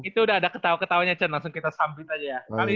itu udah ada ketahunya can langsung kita sambil aja ya